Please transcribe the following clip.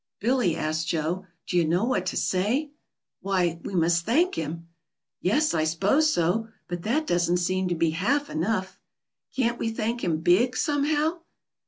"Billy," asked Joe, "do you know what to say?" "Why, we must thank him." "Yes, I s'pose so. But that doesn't seem to be half enough." "Can't we thank him big, somehow?"